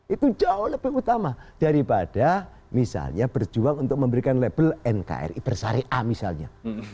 itu jauh lebih utama daripada misalnya berjuang untuk memberikan label nkri bersyariah misalnya